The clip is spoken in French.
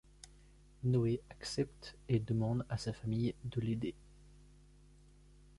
Noé accepte et demande à sa famille de l'aider.